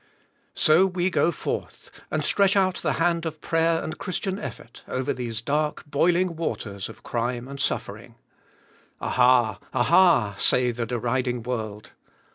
So we go forth; and stretch out the hand of prayer and Christian effort over these dark, boiling waters of crime and suffering. "Aha! Aha!" say the deriding world.